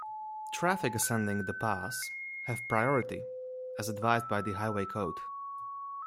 Traffic ascending the pass have priority as advised by the Highway Code.